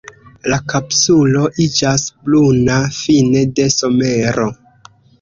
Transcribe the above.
La kapsulo iĝas bruna fine de somero.